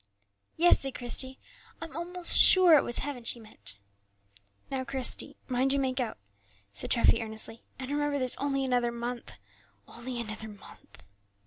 "Yes," said Christie, "I'm almost sure it was heaven she meant." "Now, Christie, boy, mind you make out," said Treffy, earnestly; "and remember there's only another month! only another month!"